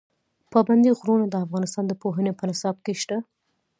پابندي غرونه د افغانستان د پوهنې په نصاب کې شته.